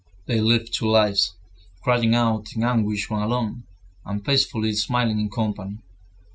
They lived two lives, crying out in anguish when alone, and peacefully smiling in company.